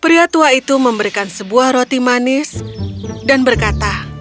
pria tua itu memberikan sebuah roti manis dan berkata